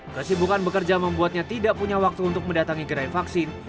kesibukan bekerja membuatnya tidak punya waktu untuk mendatangi gerai vaksin